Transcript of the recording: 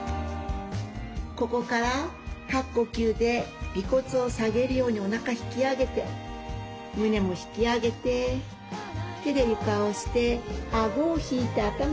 ここから吐く呼吸で尾骨を下げるようにおなか引き上げて胸も引き上げて手で床を押してあごを引いて頭下げます。